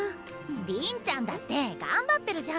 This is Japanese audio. りんちゃんだって頑張ってるじゃん。